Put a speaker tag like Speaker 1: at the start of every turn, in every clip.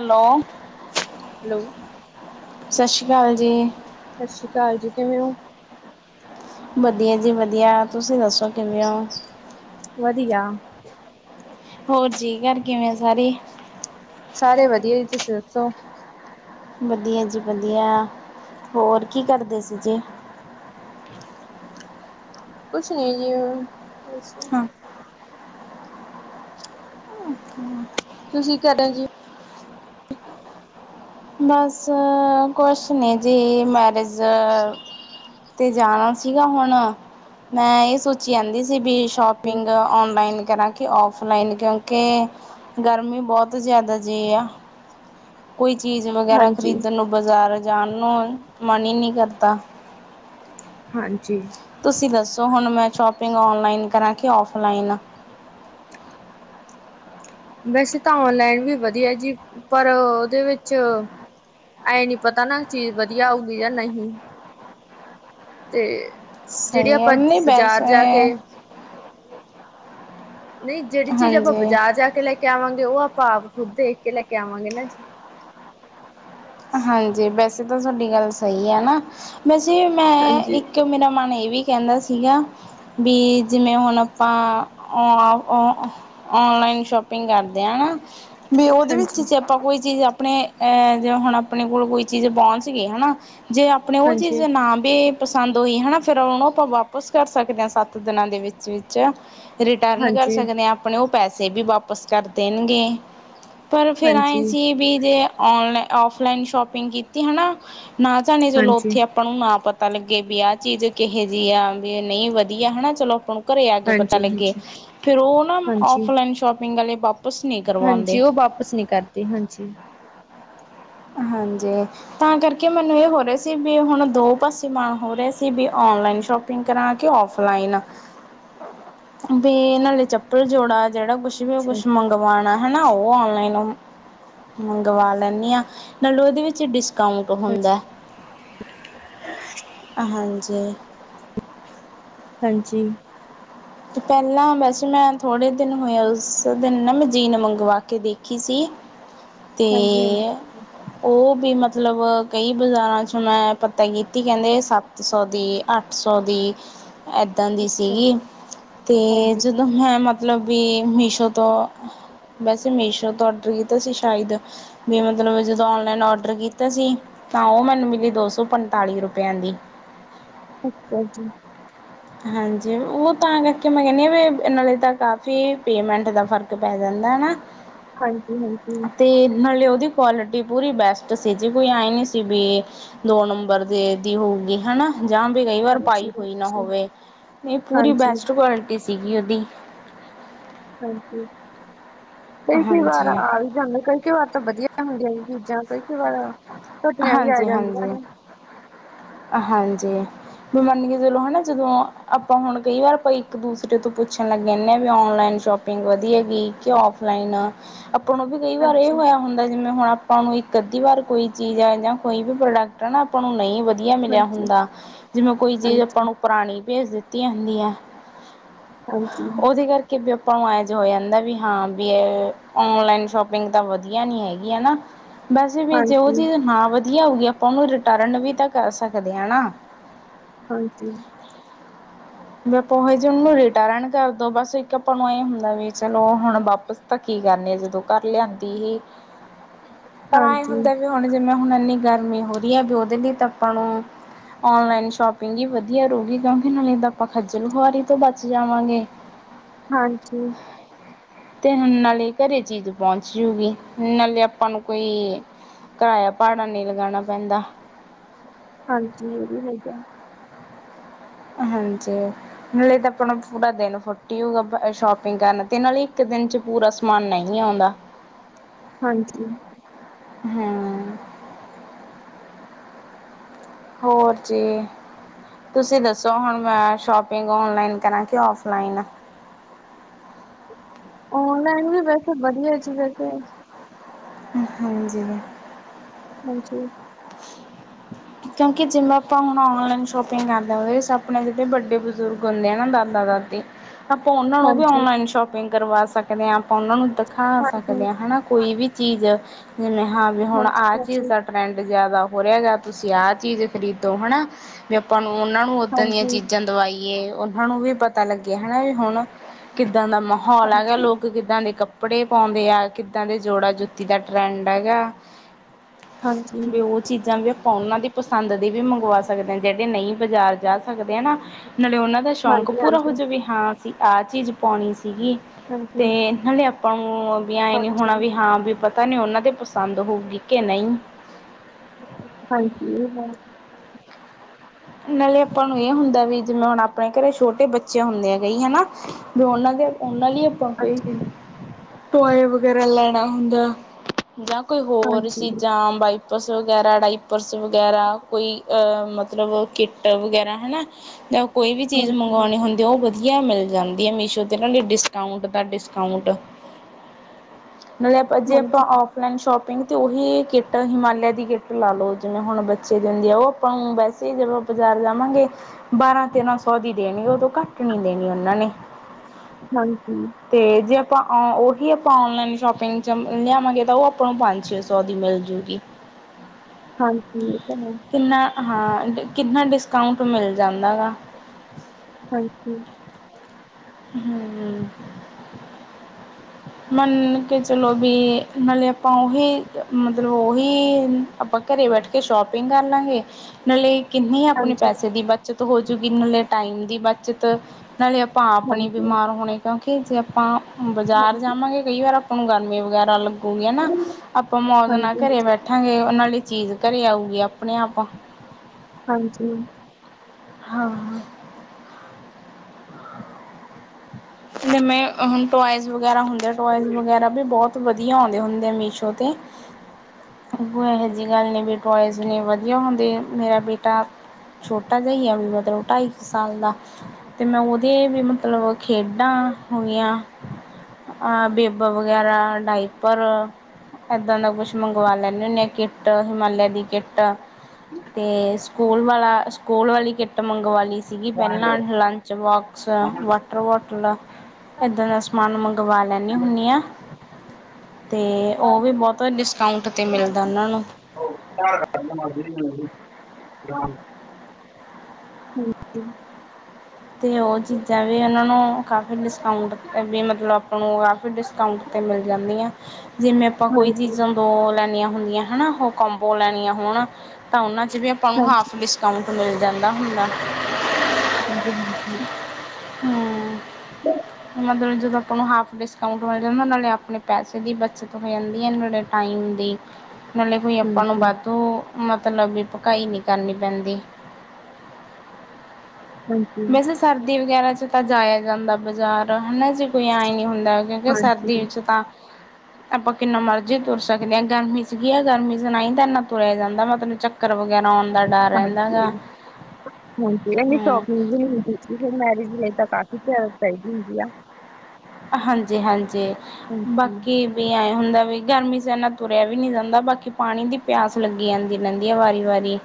Speaker 1: Hello.
Speaker 2: Hello
Speaker 1: ‌‌ਸਸ਼ੀ ਕਾਲ ਜੀ।
Speaker 2: ਸਸ਼ੀ ਕਾਲ ਜੀ ਕਿਵੇਂ ਓ?
Speaker 1: ਵਧੀਆ ਜੀ ਵਧੀਆ। ਤੁਸੀ ਦੱਸੋ ਕਿਵੇਂ ਓ?
Speaker 2: ਵਧੀਆ।
Speaker 1: ਹੋਰ ਜੀ। ਘਰ ਕਿਵੇਂ ਸਾਰੇ?
Speaker 2: ਸਾਰੇ ਵਧੀਆ। ਤੁਸੀ ਦੱਸੋ?
Speaker 1: ਵਧੀਆ ਜੀ ਵਧੀਆ। ਹੋਰ ਕੀ ਕਰਦੇ ਸੀ ਜੀ?
Speaker 2: ਕੁਛ ਨੀ ਜੀ ਓ
Speaker 1: [unintelligible]
Speaker 2: ਤੁਸੀ ਕਰਰੇ ਓ ਜੀ।
Speaker 1: ਬਸ ਕੋਛ ਨੀ ਜੀ ਮੈਰਿਜ ਤੇ ਜਾਣਾ ਸੀਗਾ। ਹੁਣ ਮੈਂ ਏ ਸੋਚੀ ਆਂਦੀ ਸੀ। ਵੀ ਸ਼ੋਪ ਪਿੰਗ ਔਨਲਾਈਨ ਕਰਾਂ ਕਿ ਔਫਲਾਈਨ ਕਿਉਂਕਿ ਗਰਮੀ ਬਹੁਤ ਜ਼ਿਆਦਾ ਜਿਹੀ ਆ। ਕੋਈ ਚੀਜ਼ ਵਗੈਰਾ
Speaker 2: ਹਾਂਜੀ।
Speaker 1: ਖਰੀਦਣ ਨੂੰ, ਬਾਜ਼ਾਰ ਜਾਣ ਨੂੰ ਮਨ ਈ ਨੀ ਕਰਦਾ।
Speaker 2: ਹਾਂਜੀ।
Speaker 1: ਤੁਸੀਂ ਦੱਸੋ, ਹੁਣ ਮੈਂ ਸ਼ੋਪਿੰਗ ਔਨਲਾਈਨ ਕਰਾਂ ਕਿ ਔਫਲਾਈਨ?
Speaker 2: ਵੈਸੇ, ਤਾਂ ਔਨਲਾਈਨ ਵੀ ਵਧੀਆ ਜੀ, ਪਰ ਉਹਦੇ ਵਿੱਚ ਐਂ ਨੀ ਪਤਾ, ਨਾ ਚੀਜ਼ ਵਧੀਆ ਹੋਊਗੀ। ਜਾਂ ਨਹੀਂ ਤੇ ਜਿਹੜੀ
Speaker 1: ਸਹੀ ਹੈ
Speaker 2: ਆਪਾਂ
Speaker 1: ਨਹੀਂ
Speaker 2: ਬਾਜ਼ਾਰ
Speaker 1: ਵੈਸੇ
Speaker 2: ਜਾ ਕੇ ਨਹੀਂ ਜਿਹੜੀ ਚੀਜ਼, ਆਪਾਂ
Speaker 1: ਹਾਂਜੀ
Speaker 2: ਬਾਜ਼ਾਰ ਜਾ ਕੇ ਲੈ ਕੇ ਕੇ ਆਵਾਂਗੇ। ਉਹ ਆਪਾਂ ਆਪ ਖੁੱਦ ਦੇਖ ਕੇ ਲੈ ਕੇ ਆਵਾਂਗੇ ਨਾ ਜੀ
Speaker 1: ਹਾਂਜੀ, ਵੈਸੇ ਤਾਂ ਸਾਡੀ ਗੱਲ ਸਹੀ ਆ ਨਾ। ਵੈਸੇ, ਮੈਂ
Speaker 2: ਹਾਂਜੀ।
Speaker 1: ਇੱਕ ਮੇਰਾ ਮਨ ਇਹ ਵੀ ਕਹਿੰਦਾ ਸੀਗਾ। ਵੀ, ਜਿਵੇਂ ਹੁਣ ਆਪਾਂ ਅ ਔਨਲਾਈਨ ਸ਼ੋਪਿੰਗ ਕਰਦੇ ਹਾਂ, ਹਨਾ ਵੀ ਉਹਦੇ ਵਿੱਚ
Speaker 2: ਹਾਂਜੀ,
Speaker 1: ਕੌਈ ਆਪਾਂ ਕੋਈ ਚੀਜ਼ ਆਪਣੇ ਅਹ ਜੇ, ਹੁਣ ਆਪਣੇ ਕੋਲ ਕੋਈ ਚੀਜ਼ ਪਹੁੰਚ ਗਈ ਹਨਾ। ਜੇ ਆਪਣੇ ਉਹ ਚੀਜ਼
Speaker 2: ਹਾਂਜੀ,
Speaker 1: ਨਾ ਵੀ ਪਸੰਦ ਹੋਈ ਹਨਾ, ਫਿਰ ਉਹਨੂੰ ਆਪਾਂ ਵਾਪਿਸ ਕਰ ਸਕਦੇ ਹਾਂ। ਸੱਤ ਦਿਨਾਂ ਦੇ ਵਿੱਚ-ਵਿਚ ਰਿਟਰਨ ਕਰ
Speaker 2: ਹਾਂਜੀ,
Speaker 1: ਸਕਦੇ ਹਾਂ, ਆਪਣੇ ਉਹ ਪੈਸੇ ਵੀ ਵਾਪਿਸ ਕਰ ਦੇਣਗੇ। ਪਰ, ਫਿਰ ਆਂਏ
Speaker 2: ਹਾਂਜੀ,
Speaker 1: ਸੀ, ਜ਼ੇ ਔਨਲਾਈਨ ਔਫਲਾਈਨ ਸ਼ਾਪਿੰਗ ਕੀਤੀ ਹਨਾ। ਨਾ ਜਾਣੇ ਚਲੋ
Speaker 2: ਹਾਂਜੀ।
Speaker 1: [unintelligible] ਆਪਾਂ ਨੂੰ ਨਾ ਪਤਾ ਲੱਗੇ ਵੀ ਆਹ ਚੀਜ਼ ਕਿਹੋ ਜਿਹੀ ਆ। ਵੀ ਨਹੀਂ ਵਧੀਆ ਹਨਾ ਚਲੋ। ਘਰੇ ਆ ਕੇ ਪਤਾ
Speaker 2: ਹਾਂਜੀ
Speaker 1: ਲੱਗੇ,
Speaker 2: ਹਾਂਜੀ
Speaker 1: ਫੇਰ ਉਹ ਨਾ
Speaker 2: ਹਾਂਜੀ
Speaker 1: ਔਫਲਾਈਨ ਸ਼ੋਪਿੰਗ ਵਾਲੇ ਵਾਪਿਸ ਨੀ ਕਰਦੇ।
Speaker 2: ਹਾਂਜੀ, ਉਹ ਵਾਪਿਸ ਨਹੀਂ ਕਰਦੇ। ਹਾਂਜੀ।
Speaker 1: ਹਾਂਜੀ। ਤਾਂ ਕਰਕੇ ਮੈਨੂੰ ਇਹ ਹੋ ਰਿਹਾ ਸੀ, ਵੀ ਹੁਣ ਦੋ ਪਾਸੇ ਮਨ ਹੋ ਰਹਾ ਸੀ। ਵੀ ਔਨਲਾਈਨ ਸ਼ੋਪ [unintelligible] ਕਰਾ ਕੇ ਔਫਲਾਈਨ ਤੇ ਨਾਲੇ ਚੱਪਲ ਜੋੜਾ ਜਿਹੜਾ ਕੁਛ ਜਿਵੇ
Speaker 2: ਅੱਛਾ
Speaker 1: ਕੁਛ ਮੰਗਵਾਉਣਾ ਹੈਨਾ, ਉਹ ਔਨਲਾਈਨ ਮੰਗਵਾ ਲੈਂਨੀ ਹਾਂ। ਨਾਲੇ, ਉਹਦੇ ਵਿੱਚ ਡਿਸਕਾਊਂਟ
Speaker 2: ਹਾਂਜੀ
Speaker 1: ਹੁੰਦਾ, ਹਾਂਜੀ।
Speaker 2: ਹਾਂਜੀ।
Speaker 1: ਅਤੇ ਪਹਿਲਾਂ ਵੈਸੇ, ਮੈਂ ਥੋੜ੍ਹੇ ਦਿਨ ਹੋਏ ਆ। ਉਸ ਦਿਨ ਨਾ ਮੈਂ ਜੀਨ ਮੰਗਵਾ ਕੇ ਦੇਖੀ ਸੀ। ਤੇ
Speaker 2: ਹਾਂਜੀ
Speaker 1: [unintelligible]
Speaker 2: ਹਾਂਜੀ
Speaker 1: ਉਹ ਵੀ ਮਤਲਬ ਕਈ ਬਾਜ਼ਾਰਾਂ ਚ ਮੈਂ, ਪਤਾ ਕੀਤੀ ਕਹਿੰਦੇ ਸੀ। ਸੱਤ ਸੌ ਦੀ, ਅੱਠ ਸੌ ਦੀ ਇੱਦਾਂ ਦੀ
Speaker 2: ਅੱਛਾ ਜੀ
Speaker 1: ਸੀਂ। ਤੇ
Speaker 2: ਹਾਂਜੀ
Speaker 1: ਜਦੋਂ ਮੈਂ ਮਤਲਬ, ਵੀ ਮੀਸ਼ੋ ਤੋਂ ਵੈਸੇ, ਮੀਸ਼ੋ ਤੋਂ ਆਡਰ ਕੀਤਾ ਸੀ। ਸ਼ਾਇਦ, ਵੀ ਮਤਲਬ, ਜਦੋਂ ਓਨਲਾਈਨ ਔਡਰ ਕੀਤਾ ਸੀ। ਤਾਂ, ਉਹ ਮੈਨੂੰ ਮਿਲੀ ਦੋ ਸੌ ਪੰਤਾਲੀ ਰੁਪਿਆਂ ਦੀ।
Speaker 2: [unintelligible]
Speaker 1: ਹਾਂਜੀ, ਉਹ ਤਾਂ ਕਰਕੇ ਮੈਂ ਕਹਿ ਨੀ ਵੀ ਹਾਂ। ਵੀ ਨਾਲੇ ਤਾਂ ਕਾਫੀ ਪੇਮੈਂਟ ਦਾ ਫ਼ਰਕ ਪੈ ਜਾਂਦਾ ਹੈ ਨਾ।
Speaker 2: ਹਾਂਜੀ। ਹਾਂਜੀ
Speaker 1: ਤੇ ਨਾਲੇ ਉਹਦੇ ਕੁਆਲਿਟੀ ਪੂਰੀ ਬੈਸਟ ਸੀ, ਜੀ ਕੋਈ ਐਂ ਨਹੀਂ ਸੀ। ਵੀ ਦੋ ਨੰਬਰ ਦੇ ਦੀ ਹੋਏਗੀ ਹਨਾ। ਜਾਂ ਵੀ ਕਈ ਵਾਰ ਪਾਈ ਹੋਈ ਨਾ
Speaker 2: ਅੱਛਾ
Speaker 1: ਹੋਵੇ। ਇਹ ਪੂਰੀ
Speaker 2: ਹਾਂਜੀ
Speaker 1: ਬੈਸਟ ਕੁਆਲਿਟੀ ਸੀਗੀ ਉਹਦੀ।
Speaker 2: ਹਾਂਜੀ, ਕਈ-ਕਈ ਵਾਰ
Speaker 1: ਹਾਂਜੀ
Speaker 2: ਆ ਵੀ ਜਾਂਦੇ ਕਈ- ਕਈ ਵਾਰ ਤਾਂ ਵਧੀਆ [unintelligible]
Speaker 1: ਹਾਂਜੀ ਹਾਂਜੀ ਹਾਂਜੀ। ਵੀ ਮੰਨ ਕੇ ਚਲੋ ਹਨਾ ਜਦੋਂ ਆਪਾਂ ਹੁਨ ਕਈ ਵਾਰ ਆਪਾਂ ਇੱਕ ਦੂਸਰੇ ਤੋਂ ਪੁੱਛਨ ਲੱਗ ਜਾਂਨੇ ਆਂ ਵੀ ਔਨਲਾਈਨ ਸ਼ੋਪ ਸੌਪਿੰਗ ਵਦੀਆ ਗੀ ਕੀ ਔਫਲਾਈਨ। ਆਪਾਂ ਨੂੰ ਵੀ ਕਈ ਵਾਰ ਏਹ
Speaker 2: ਹਾਂਜੀ
Speaker 1: ਹੋਏਆ ਹੁੰਦਾ ਜਿਵੇਂ ਹੁਨ ਆਪਾਂ ਨੂੰ ਇੱਕ ਅੱਧੀ ਵਾਰ ਕੋਈ ਚੀਜ਼ ਐ ਜਾਂ ਕੋਈ ਵੀ ਪ੍ਰੋਡਕ ਟ ਐ ਨਾ ਆਪਾਂ ਨੂੰ ਨਈਂ ਵਦੀਆ ਮਿਲਿਆ
Speaker 2: ਹਾਂਜੀ
Speaker 1: ਹੁੰਦਾ, ਜਿਵੇਂ ਕੋਈ ਚੀਜ਼
Speaker 2: ਹਾਂਜੀ
Speaker 1: ਆਪਾਂ ਨੂੰ ਪੁਰਾਨੀ ਭੇਜ ਦਿੱਤੀਆ ਹੁੰਦੀ ਐ,
Speaker 2: ਹਾਂਜੀ
Speaker 1: ਓਦੇ ਕਰ ਕੇ ਵੀ ਆਪਾਂ ਨੂੰ ਐਂ ਜੇ ਹੋ ਜਾਂਦਾ ਵੀ ਹਾਂ ਵੀ ਏ ਔਨਲਾਈਨ ਸ਼ੋਪਿੰਗ ਤਾਂ ਵਦੀਆ ਨੀ ਹੈਗੀ ਹਨਾ। ਵੈਸੇ ਵੀ ਜੇ ਓਹ
Speaker 2: ਹਾਂਜੀ
Speaker 1: ਚੀਜ਼ ਨਾ ਵਦੀਆ ਹੋਊਗੀ ਆਪਾਂ ਓਨੂੰ ਰਿਟਰਨ ਵੀ ਤਾਂ ਕਰ ਸਕਦੇ ਆਂ ਨਾ।
Speaker 2: ਹਾਂਜੀ।
Speaker 1: ਵੀ ਆਪਾਂ ਜੇ ਓਨੂੰ ਰਿਟਰਨ ਕਰਦੋ ਬਸ ਇੱਕ ਆਪਾਂ ਨੂੰ ਐਂਏ ਹੁੰਦਾ ਵੀ ਚਲੋ ਹੁਨ ਵਾਪਸ ਤਾਂ ਕੀ ਕਰਨੀ ਆ ਜ ਜਦੋਂ ਘਰ ਲਿਆਂਦੀ ਹੀ। ਪਰ ਐਂਏ
Speaker 2: ਹਾਂਜੀ
Speaker 1: ਹੁੰਦਾ ਵੀ ਹੁਨ ਜਿਵੇਂ ਹੁਨ ਐਨੀ ਗਰਮੀ ਹੋ ਰਈ ਐ ਵੀ ਓਦੇ ਲਈ ਤਾਂ ਆਪਾਂ ਨੂੰ ਔਨਲਾਈਨ ਸ਼ੋਪਿੰਗ ਈ ਵਦੀਆ ਰਏਗੀ ਕਿਓਂਕਿ ਨਾਲੇ ਤਾਂ ਆਪਾਂ ਖੱਜਲ ਖੁਆਰੀ ਤੋਂ ਬਚ ਜਾਵਾਂਗੇ।
Speaker 2: ਹਾਂਜੀ।
Speaker 1: ਤੇ ਹੁਨ ਨਾਲੇ ਘਰੇਂ ਚੀਜ਼ ਪੌਂਚ ਜੂਗੀ ਨਾਲੇ ਆਪਾਂ ਨੂੰ ਕੋਈ ਕਰਾਇਆ ਪਾੜਾ ਨੀ ਲਗਾਨਾ ਪੈਂਦਾ।
Speaker 2: ਹਾਂਜੀ, ਏਹ ਵੀ ਹੈਗੈ।
Speaker 1: ਹਾਂਜੀ। ਨਾਲੇ ਤਾਂ ਆਪਨ ਪੂਰਾ ਦਿਨ ਫੁੱਟ ਜੂਗਾ ਸ਼ੋਪਿੰਗ ਕਰਨ ਤੇ ਏਹ ਨਾਲੇ ਇੱਕ ਦਿਨ ਚ ਪੂਰਾ ਸ ਸਮਾਨ ਨਈ ਔਂਦਾ।
Speaker 2: ਹਾਂਜੀ।
Speaker 1: ਹਾਂ ਹੋਰ ਜੀ ਤੁਸੀਂ ਦੱਸੋ ਹੁਨ ਮੈਂ ਸ਼ੋਪਿੰਗ ਔਨਲਾਈਨ ਕਰਾਂ ਕੇ ਔਫਲਾਈਨ।
Speaker 2: ਔਨਲਾਈਨ ਵੀ ਬੈ ਕੇ ਵਦੀਆ ਜੀ ਵੈਸੇ।
Speaker 1: ਹਾਂਜੀ।
Speaker 2: ਹਾਂਜੀ।
Speaker 1: ਕਿਓਂਕਿ ਜਿਵੇਂ ਆਪਾਂ ਹੁਨ ਔਨਲਾਈਨ ਸ਼ੋਪਿੰਗ ਕਰਦੇ ਆਂ ਓਦੇ ਵਿੱਚ ਆਪਨੇ ਜੇੜੇ ਵੱਡੇ ਬਜ਼ੁਰਗ ਹੁੰਦੇ ਆ ਨਾ ਦਾਦਾ ਦਾਦੀ ਆਪਾਂ ਓਨਾਂ ਨੂੰ ਵੀ
Speaker 2: ਹਾਂਜੀ,
Speaker 1: ਔਨਲਾਈਨ ਸ਼ੋਪਿੰਗ ਕਰਵਾ ਸਕ ਨਾਲੇ ਆਪਾਂ ਓਨਾਂ ਨੂੰ ਦਖਾ
Speaker 2: ਹਾਂਜੀ,
Speaker 1: ਸਕਦੇ ਆਂ ਹਨਾ ਕੋਈ ਵੀ ਚੀਜ਼ ਐ ਜਿਵੇਂ ਹਾਂ ਵੀ ਹੁਨ ਆਹ ਚੀਜ਼
Speaker 2: ਹਾਂਜੀ,
Speaker 1: ਦਾ ਟਰੈਂਡ ਜ਼ਾਦਾ ਹੋ ਰਿਆ ਗਾ। ਤੁਸੀਂ ਆਹ ਚੀਜ਼ ਖਰੀਦੋ ਹਨਾ ਵੀ ਆਪਾਂ ਨੂੰ ਓਨਾ ਨੂੰ ਓਦਾਂ ਦੀਆਂ
Speaker 2: ਹਾਂਜੀ,
Speaker 1: ਚੀਜ਼ਾਂ ਦਵਾਈਏ। ਓਨਾਂ ਨੂੰ ਵੀ ਪਤਾ ਲੱਗੇ ਹਨਾ ਵੀ ਹੁਨ ਕਿੱਦਾਂ ਦਾ ਮਾਹੌਲ ਹੈਗਾ
Speaker 2: ਹਾਂਜੀ,
Speaker 1: ਲੋਕ ਕਿੱਦਾਂ ਦੇ ਕੱ ਕੱਪੜੇ ਪੌਂਦੇ ਆ ਕਿੱਦਾਂ ਦੇ ਜੋੜਾ ਜੁੱਤੀ ਦਾ ਟਰੈਂਡ ਹੈਗਾ।
Speaker 2: ਹਾਂਜੀ,
Speaker 1: ਵੀ ਓ ਚੀਜ਼ਾਂ ਵੀ ਆਪ ਆਪਾਂ ਓਨਾਂ ਦੀ ਪਸੰਦ ਦੀ ਵੀ ਮੰਗਵਾ ਸਕਦੇ ਆਂ ਜੇੜੇ ਨਈਂ ਬਾਜ਼ਾਰ ਜਾ ਸਕਦੇ ਆ ਨਾ ਨਾਲੇ ਓਨਾਂ ਦਾ ਸ਼ੌਂਕ ਪੂਰਾ ਹੋ
Speaker 2: ਹਾਂਜੀ,
Speaker 1: ਜਾਵੇ ਵੀ ਹਾਂ ਅਸੀਂ ਆਹ ਚੀਜ਼ ਪੌਨੀ ਸੀਗੀ
Speaker 2: ਹਾਂਜੀ,
Speaker 1: ਤੇ ਨਾਲੇ ਆਪ ਆਪਾਂ ਨੂੰ ਵੀ ਐ ਨੀ
Speaker 2: ਹਾਂਜੀ,
Speaker 1: ਹੋਨਾ ਵੀ ਹਾਂ ਵੀ ਪਤਾ ਨੀ ਓਨਾਂ ਤੇ ਪਸੰਦ ਹੋਊਗੀ ਕੇ ਨਈ।
Speaker 2: ਹਾਂਜੀ ਹਾਂ।
Speaker 1: ਨਾਲੇ ਆਪਾਂ ਨੂੰ ਏਹ ਹੁੰਦਾ ਵੀ ਜਿਵੇਂ ਹੁਨ ਆਪਨੇ ਘਰੇ ਛੋਟੇ ਬੱਚੇ ਹੁੰਦੇ ਆ ਕਈ ਹਨਾ ਵੀ ਓਨਾਂ ਦੇ ਓਨਾਂ ਲਈ ਆਪਾਂ ਕੋਈ
Speaker 2: ਹਾਂਜੀ,
Speaker 1: ਟੋਆਏ ਵਗੈਰਾ ਲੈਨਾ ਹੁੰਦਾ ਜਾਂ ਕੋਈ ਹੋਰ
Speaker 2: ਹਾਂਜੀ, ਹਾਂਜੀ,
Speaker 1: ਚੀਜ਼ਾਂ ਬਾਈ ਪਰਸ ਵਗੈਰਾ ਡਾਈਪਰਸ ਵਗੈਰਾ ਕੋਈ ਅ ਮਤਲਬ ਕਿੱਟ ਵਗੈਰਾ ਹਨਾ ਜਾਂ ਕੋਈ ਵੀ ਚੀਜ਼ ਮੰਗਵਾਨੀ ਹੁੰਦੀ ਤੇ ਓ ਵਦੀਆ ਮਿਲ ਜਾਂਦੀ ਐ ਮੀਸ਼ੋ ਤੇ ਨਾ ਡਿਸਕਾਊਂਟ ਦਾ ਡਿਸਕਾਊਂਟ ਨਾਲੇ ਆਪਾਂ ਜੇ ਆਪਾਂ ਔਫ ਔਫਲਾਈਨ ਸ਼ੋਪਿੰਗ ਅਤੇ ਉਹੀ ਕਿੱਟ ਹਿਮਾਲਿਆ ਦੀ ਕਿੱਟ ਲਾ ਲਉ ਜਿਵੇਂ ਹੁਣ ਬੱਚੇ ਦੀ ਹੁੰਦੀ ਆ ਉਹ। ਆਪ ਬਸੀ ਜ [inaudible] ਬਾਜ਼ਾਰ ਜਾਵਾਂਗੇ ਬਾਰਾਂ ਤੇਰਾਂ ਸੌ ਦੀ ਦੇਣੀ ਉਦੋਂ ਘੱਟ ਨਹੀਂ ਦੇਣੀ ਉਹਨਾਂ ਨੇ।
Speaker 2: ਹਾਂਜੀ।
Speaker 1: ਅਤੇ ਜੇ ਆਪਾਂ ਉਹੀ ਆਪਾਂ ਔਨਲਾਈਨ ਸ਼ੋਪਿੰਗ 'ਚ ਲਿਆਵਾਂਗੇ ਤਾਂ ਉਹ ਆਪਾਂ ਨੂੰ ਪੰਜ ਛੇ ਸੌ ਦੀ ਮਿਲ ਜੂਗੀ। ਹ।
Speaker 2: ਹਾਂਜੀ।
Speaker 1: ਕਿੰਨਾ ਹਾਂ ਕਿੰਨਾ ਡਿਸਕਾਊਂਟ ਮਿਲ ਜਾਂਦਾ ਗਾ।
Speaker 2: ਹਾਂਜੀ।
Speaker 1: ਹਮ। ਮੰਨ ਕੇ ਚਲੋ ਵੀ ਨਾਲਤੇ ਆਪਾਂ ਉਹੀ ਮਤਲਬ ਉਹੀ ਆਪ ਪ ਘਰੇਲੂਕੇ ਸ਼ੋਪਿੰਗ ਕਰਨ ਲਾਂਗੇ ਲਈ। ਕਿੰਨੀ ਆਪਣੇ
Speaker 2: ਹਾਂਜੀ,
Speaker 1: ਪੈਸੇ ਦੀ ਬੱਚਤ ਹੋਜੂਗੀ ਨਾਲੇ ਟਾਈਮ ਦੀ ਬੱਚਤ ਨਾਲੇ ਭਾ ਆਪਣੀ
Speaker 2: ਹਾਂਜੀ,
Speaker 1: ਬਿਮਾਰ ਹੋਣੇ ਕਿਉਂਕਿ ਜੇ ਆਪਾਂ ਬਾਜ਼ਾਰ
Speaker 2: ਹਾਂਜੀ,
Speaker 1: ਜਾਵਾਂਗੇ ਕਈ ਵਾਰ ਆਪਾਂ ਨੂੰ ਗਰਮੀ ਵਗੈਰਾ ਲੱ ਗੀ ਨਾ ਆਪਾਂ ਮੌਤ ਨਾਲ ਘਰੇ ਬੈਠਾਂਗੇ ਉਹੀ ਚੀਜ਼ ਘਰੇ ਆਊਗੀ ਆਪਣੇ ਆਪ।
Speaker 2: ਹਾਂਜੀ।
Speaker 1: ਹਾਂ -ਹਾਂ। ਜਿਵੇਂ ਹੁਣ ਟੋਇਜ਼ ਵਗੈਰਾ ਹੁੰਦੇ ਆ ਟੋਇਜ਼ ਵਗੈਰਾ ਵੀ ਬਹੁਤ ਵਧੀਆ ਆਉਂਦੇ ਹੁੰਦੇ ਆ ਮੀਸ਼ੋ 'ਤੇ। ਉਹ ਇਹੋ ਜਿਹੀ ਗੱਲ ਨਹੀਂ ਵੀ ਟੋਇਸ ਨੇ ਵਧੀਆ ਹੁੰਦੇ ਮੇਰਾ ਬੇਟਾ। ਛੋਟਾ ਜਿਹਾਹਾ ਵੀ ਮਤਲਬ ਢਾਈ ਕੁ ਸਾਲ ਦਾ ਅਤੇ ਮੈਂ ਉਹਦੇ ਵੀ ਮਤਲਬ ਖੇਡਾਂ ਹੋਈਆਂ ਬੇਬ ਵਗੈਰਾ ਡਾਈਪਰ। ਇੱਦਾਂ ਦਾ ਕੁਛ ਮੰਗਵਾ ਲੈਂਦੇ ਹੁੰਦੇ ਹ ਕਿੱਟ ਹਿਮਾਲਿਆ ਦੀ ਕਿੱਟ ਤੇ ਸਕੂਲ ਵਾਲਾ ਸਕੂਲ ਵਾਲੀ ਕਿੱਟ ਮੰਗਵਾਈ। ਸੀਗੀ ਪਹਿਲਾਂ ਲੰਚ ਬੋਕਸ ਵ ਹੋਟਲ ਇਦਾ ਦਾ ਸਮਾਨ ਮੰਗਵਾ ਲੈਦੀ ਹੁੰਦੀ ਹਾਂ। ਤੇ ਉਹ ਵੀ ਬਹੁਤ ਡਿਸਕਾਊਟ ਤੇ ਮਿਲਦਾ ਉਹਨਾ ਨੂੰ-
Speaker 2: [unintelligible] [inaudible]
Speaker 1: ਤੇ ਓ ਚੀਜਾ ਵੀ ਉਨ੍ਹਾਂਨੂੰ ਕਾਫੀ
Speaker 2: ਹਾਂਜੀ।
Speaker 1: ਡਿਸਕਾਊਟ
Speaker 2: ਹਾਂਜੀ।
Speaker 1: ਵੀ ਮਤਲਬ ਆਪਾਂ ਨੂੰ ਰ ਡਿਸਕਾਊਟ ਤੇ ਮਿਲ ਜਾਦੀਆ ਜਿਵੇ ਆਪਾਂ ਕੋਈ
Speaker 2: ਹਾਂਜੀ,
Speaker 1: ਚੀਜਾ - ਲੀਆਂ ਹੁੰਦੀਆਂ ਹਨਾ ਉਹ ਕੰਪੋ ਲੈਣੀਆਂ ਹੋਣ ਤਾਂ ਓਨਾਂ ਚ ਵੀ ਆਪਾਂ ਨੂੰ
Speaker 2: ਹਾਂਜੀ,
Speaker 1: ਹਾਫ ਡਿਸ ਡਿਸਕਾਊਟ ਮਿਲ ਜਾਦਾ ਹੁੰਦਾ
Speaker 2: [inaudible]
Speaker 1: ਹੂੰ -
Speaker 2: ਹ [unintelligible]
Speaker 1: ਮਤਲਬ ਜਦੋ ਆਪਾ ਨੂੰ ਹਾਫ ਡਿਸਕਾਊਟ ਮਿਲ ਜਾਦਾ ਓਂਹ ਨਾਲੇ ਆਪਣੇ ਪੈਸੇ ਦੀ ਬੱਚਤ ਹੋ ਜਾਦੀ ਹੈ। ਇਹ ਵਾਲੇ ਟਾਈਮ ਦੀ- ਨਾਲੇ ਕੋਈ ਆਪਾ ਨੂੰ
Speaker 2: ਹਾਂਜੀ,
Speaker 1: ਵਾਧੂ ਮਤਲਬ ਵੀ ਪਕਾਈ ਨਹੀ ਕਰਨੀ ਪੈਦੀ-
Speaker 2: ਹਾਂਜੀ,
Speaker 1: ਵੈਸੇ ਸਰਦੀ ਵਗੈਰਾ 'ਚ ਤਾਂ ਜਾਇਆ ਜਾਦਾ ਬਾਜਾਰ ਹਨਾ ਜੀ- ਕੋਈਆ ਹੀ ਨਹੀ ਹੁੰਦਾ ਕਓ ਕਿ ਸਰਦੀ
Speaker 2: ਹਾਂਜੀ,
Speaker 1: ਵਿਚ ਤਾਂ- ਆਪਾ ਕਿਨਾ ਮਰਜੀ ਤੁਰ ਸਕਦੇ ਹਾਂ ਗਰਮੀ ਸੀਗੀ ਆ ਗਰਮੀ 'ਚ ਨਾ ਹੀ ਤਾਂ ਇਨਾ ਤੁਰਿਆ ਜਾਦਾ ਮੈ ਤੈਨੂੰ ਚੱਕ- ਚੱਕਰ ਵਗੈਰਾ ਆਉਣ ਦਾ ਡਰ ਰਹਿਦਾ ਹੈ। ਗਗਾ।
Speaker 2: [inaudible] ਹਾਂਜੀ ਇਨੀ ਸ਼ੋਪਿੰਗ ਵੀ ਮਿਲਦੀ ਫਿਰ ਮੈਰਿਜ ਲਈ ਤਾਂ ਕਾਫੀ ਪੈਦੀ ਹੁੰਦੀ ਆ।
Speaker 1: ਹਾਂਜੀ- ਹਾਂਜੀ
Speaker 2: ਹਾਂਜੀ,
Speaker 1: ਬਾਕੀ- ਵੀ ਐਏ ਹੁੰਦਾ ਵੀ ਗਰਮੀ 'ਚ ਏਨਾ ਤੁਰਿਆ ਵੀ ਨੀ ਜਾਂਦਾ ਬਾਕੀ ਪਾਣੀ ਦੀ ਪਿਆਸ ਲੱਗੀ ਜਾਂ ਲੈਂਦੀ ਐ ਵਾਰੀ-ਵਾਰੀ।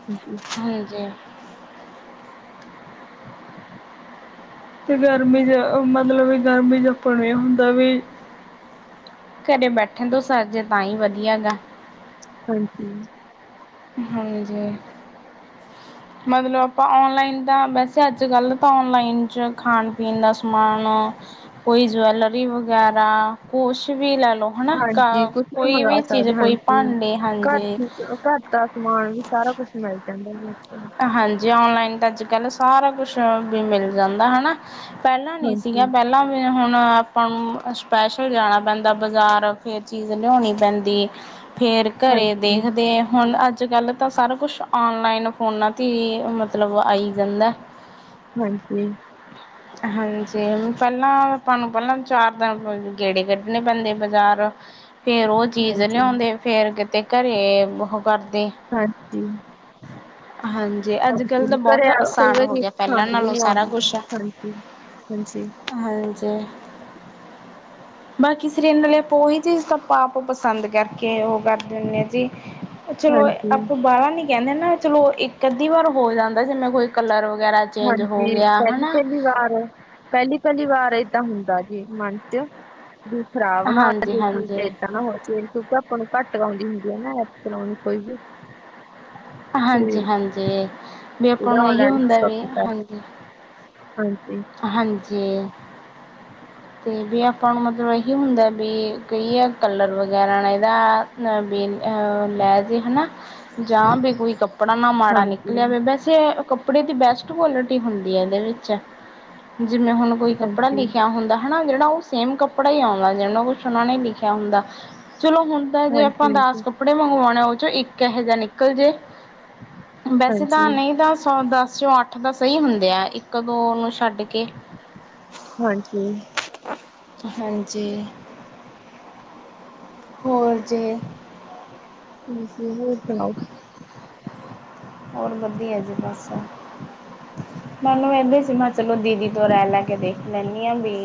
Speaker 2: [inaudible]
Speaker 1: ਹਾਂਜੀ। ਤੇ ਗਰਮੀ 'ਚ ਮਤਲਬ ਵੀ ਗਰਮੀ ਆਪਣ ਏ ਹੁੰਦਾ ਵੀ ਘਰੇ ਬੈਠਣ ਤੋਂ ਸਰ ਜੇ ਤਾਂ ਈ ਵਧੀਆ ਹਗਾ।
Speaker 2: ਹਾਂਜੀ।
Speaker 1: ਹਾਂਜੀ। ਮਤਲਬ ਆਪਾ ਔਨਲਾਈਨ ਤਾਂ ਵੈਸੇ ਅੱਜ-ਕੱਲ ਤਾਂ ਔਨਲਾਈਨ 'ਚ ਖਾਣ ਪੀਣ ਦਾ ਸਮਾਨ ਕੋਈ ਜਵੈਲਰੀ ਵਗੈਰਾ ਕੁਛ ਵੀ ਲੈ ਲੋ। ਹਨਾ
Speaker 2: ਹਾਂਜੀ
Speaker 1: ਕ
Speaker 2: ਕੁਛ
Speaker 1: ਕੋਈ
Speaker 2: ਮੰਗਾ
Speaker 1: ਵੀ ਚੀਜ
Speaker 2: ਸਕਦੇ
Speaker 1: ਕੋਈ
Speaker 2: ਹਾਂਜੀ।
Speaker 1: ਭਾਂਡੇ
Speaker 2: ਘਰ
Speaker 1: ਹਾਂਜੀ
Speaker 2: ਦੀ ਘਰ ਦਾ ਸਮਾਨ ਵੀ ਸਾਰਾ ਕੁਛ ਮਿਲ ਜਾਂਦਾ ਜੀ ਏਥੇ।
Speaker 1: ਹਾਂਜੀ ਔਨਲਾਈਨ ਤਾਂ ਅੱਜ-ਕੱਲ ਸਾਰਾ ਕੁਛ ਵੀ ਮਿਲ ਜਾਂਦਾ ਹੈਨਾ। ਪੈਲਾਂ ਨੀ ਸੀਗੀਆਂ
Speaker 2: ਹਾਂਜੀ,
Speaker 1: ਪੈਲਾਂ ਫੇਰ ਹੁਨ ਆਪਾ ਨੂੰ ਸਪੈਸ਼ਲ ਜਾਣਾ ਪੈਦਾ ਬਜਾਰ ਫਿਰ ਚੀਜ ਲਿਆਉਣੀ ਪੈਂਦੀ। ਫੇਰ ਘਰੇ
Speaker 2: ਹਾਂਜੀ,
Speaker 1: ਦੇਖਦੇ ਹੁਨ ਅੱਜ-ਕੱਲ ਤਾਂ ਸਾਰਾ ਕੁਛ ਔਨਲਾਈਨ ਫੋਨਾ ਤੇ ਈ ਮਤਲਬ ਆਈ ਜਾਂਦਾ।
Speaker 2: ਹਾਂਜੀ।
Speaker 1: [inaudible] ਹਾਂਜੀ ਪੈਲਾਂ ਤੁਆਨੁ ਪੈਲਾਂ ਚਾਰ ਦਿਨ ਗੇੜੇ ਕੱਤਨੇ ਪੈਂਦੇ ਬਾਜਾਰ ਫੇਰ ਓ ਚੀਜ਼
Speaker 2: ਹਾਂਜੀ,
Speaker 1: ਲਿਆਉਂਦੇ ਫੇਰ ਕਿਤੇ ਘਰੇ ਓਹ ਕਰਦੇ
Speaker 2: ਹਾਂਜੀ।
Speaker 1: ਹਾਂ ਜੀ ਅੱਜ-ਕੱਲ ਤਾਂ
Speaker 2: ਹਾਂਜੀ
Speaker 1: ਬੋਹਤ
Speaker 2: ਘਰੇ ਆ- ਕਈ
Speaker 1: ਆਸਾਨ ਹੋ
Speaker 2: ਵਾਰੀ
Speaker 1: ਗਿਆ ਪੈਲਾਂ
Speaker 2: ਪਸੰਦ ਵੀ
Speaker 1: ਨਾਲੋ
Speaker 2: ਨਹੀਂ
Speaker 1: ਸਾਰਾ
Speaker 2: ਆਉਂਦੀ
Speaker 1: ਕੁਛ।
Speaker 2: ਹਾਂਜੀ, ਹਾਂਜੀ,
Speaker 1: ਹਾਂਜੀ। ਬਾਕੀ ਸਰੀਰ ਨਾਲੇ ਆਪਾਂ ਓਹੀ ਚੀਜ ਤਾਂ ਆਪੋ ਆਪ ਪਸੰਦ ਕਰਕੇ ਓ ਕਰਦੇ ਹੁੰਨੇ ਜੀ। ਚਲੋ
Speaker 2: ਹਾਂਜੀ।
Speaker 1: ਆਪਾਂ ਬਾਲਾ ਨੀ ਕੈਂਦੇ ਨਾ ਚਲੋ ਇੱਕ ਅਧੀ ਵਾਰ ਹੋ ਜਾਂਦਾ ਜਿਵੇ ਕੋਈ ਕਲਰ ਵਗੈਰਾ ਚੇਂਜ ਹੋ
Speaker 2: ਹਾਂਜੀ
Speaker 1: ਗਿਆ ਹਨਾ
Speaker 2: ਪੈਲੀ-ਪੈਲੀ ਵਾਰ ਪੈਲੀ-ਪੈਲੀ ਵਾਰ ਏਦਾ ਹੁੰਦਾ ਜੀ ਮਨ 'ਚ। ਵੀ ਖਰਾਬ ਨਾ
Speaker 1: ਹਾਂਜੀ
Speaker 2: [unintelligible]
Speaker 1: ਹਾਂਜੀ
Speaker 2: ਏਦਾਂ ਨਾ ਹੋਏ। [unintelligible] ਕਿਉਂਕਿ ਆਪਾਂ ਨੂੰ ਘੱਟ ਆਉਂਦੀ ਹੁੰਦੀ ਐ ਨਾ ਐਪ ਚਲੋਣੀ ਕੋਈ ਵੀ।
Speaker 1: ਅ
Speaker 2: ਤੇ
Speaker 1: ਹਾਂਜੀ ਹਾਂਜੀ, ਬੀ ਅਪਾਂ
Speaker 2: ਜਿਹੜਾ
Speaker 1: ਨੂੰ ਏਹੀ
Speaker 2: ਔਨਲਾਈਨ
Speaker 1: ਹੁੰਦੈ ਵੀ
Speaker 2: ਸ਼ੋਪਿੰਗ ਐਪ
Speaker 1: ਹਾਂਜੀ।
Speaker 2: ਹਾਂਜੀ।
Speaker 1: ਹਾਂਜੀ। ਤੇ ਵੀ ਆਪਾਂ ਨੂੰ ਮਤਲਬ ਏਹੀ ਹੁੰਦਾ ਬੀ ਕਈ ਐ ਕਲਰ ਵਗੈਰਾ ਨਾ ਐਦਾ ਨ ਬੀ ਅ ਲੈ ਜੇ ਹੈਨਾ ਜਾਂ ਬੀ ਕੋਈ ਕੱਪੜਾ ਨਾ ਮਾੜਾ
Speaker 2: ਹਾਂਜੀ,
Speaker 1: ਨਿਕਲ ਆਵੇ ਵੈਸ ਤੇ ਓ ਕੱਪੜੇ ਦੀ ਬੈਸਟ ਕੁਆਲਿਟੀ ਹੁੰਦੀ ਐ ਐਦੇ ਵਿੱਚ ਜਿਮੇਂ ਹੁਨ ਕੋਈ ਕੱਪੜਾ
Speaker 2: ਹਾਂਜੀ, ਹਾਂਜੀ,
Speaker 1: ਲਿਖਿਆ ਹੁੰਦਾ। ਹਨਾ ਜੇੜਾ ਓ ਸੇਮ ਕੱਪੜਾ ਈ ਆਣ ਲਗ ਜਾਂਦਾ, ਕੁਛ ਉਨਾ ਨੇ ਲਿਖਿਆ ਹੁੰਦਾ, ਚਲੋ ਹੁਨ ਤਾ ਜੇ ਅਪਾਂ ਦਾਸ
Speaker 2: ਹਾਂਜੀ,
Speaker 1: ਕੱਪੜੇ ਮੰਗਵੋਣੇ ਓਹ ਚੋਂ ਇੱਕ ਏਹੇ ਜਾ ਨਿਕਲ ਜੇ ਵੈਸੇ ਤਾਂ
Speaker 2: ਹਾਂਜੀ,
Speaker 1: ਨਈ ਤਾਂ ਸ ਦਸ ਚ ਅੱਠ ਤਾਂ ਸਹੀ ਹੁੰਦੇ ਆ, ਇੱਕ-ਦੋ ਨੂੰ ਛੱਡ ਕੇ।
Speaker 2: ਹਾਂਜੀ।
Speaker 1: ਹਾਂਜੀ। ਹੋਰ ਜੀ।
Speaker 2: ਠੀਕ ਏ, ਹੋਰ ਸੁਣਾਓ?
Speaker 1: ਹੋਰ ਵਧੀਆ ਜੀ ਬਸ। ਮੈਨੂੰ ਐਦੇ ਸੀ ਮੈਂ ਚਲੋ ਦੀਦੀ ਤੋਂ ਰੈਅ ਲੈ ਕੇ ਦੇਖ ਲੈਂਣੀ ਆ ਵੀ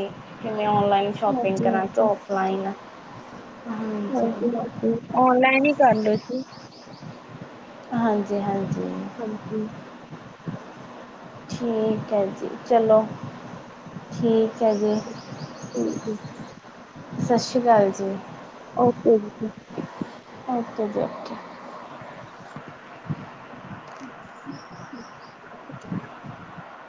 Speaker 1: ਕਿਵੇਂ ਔਨਲਾਈਨ ਸ਼ੋਪਿੰਗ
Speaker 2: ਹਾਂਜੀ,
Speaker 1: ਕਰਾਂ ਕੇ
Speaker 2: ਹਾਂਜੀ,
Speaker 1: ਔਫਲਾਈਨ।
Speaker 2: ਹਾਂਜੀ [unintelligible] ਔਨ ਲਾਈਨ ਈ ਕਰ ਲੇ ਤੂੰ।
Speaker 1: ਹਾਂਜੀ- ਹਾਂਜੀ।
Speaker 2: ਹਾਂਜੀ।
Speaker 1: ਠੀਕ ਐ ਜੀ ਚਲੋ। ਠੀਕ ਹੈ ਜੀ,
Speaker 2: ਠੀਕ ਏ
Speaker 1: ਸਸ ਸੀ ਕਾਲ ਜੀ।
Speaker 2: ਓਕੇ ਜੀ ਫੇਰ।
Speaker 1: ਓਕੇ ਜੀ ਓਕੇ।
Speaker 2: [inaudible]
Speaker 1: [inaudible]